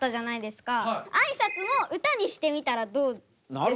あいさつも歌にしてみたらどうですか？